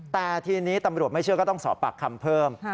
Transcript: แต่ทีนี้ตำรวจไม่เชื่อก็ต้องสอบปากคำเพิ่ม